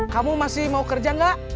kamu masih mau kerja gak